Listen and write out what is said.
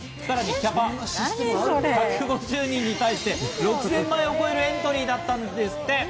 キャパ１５０人に対して、６０００枚を超えるエントリーだったんですって。